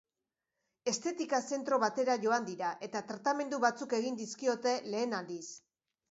Estetika zentro batera joan dira, eta tratamendu batzuk egin dizkiote lehen aldiz.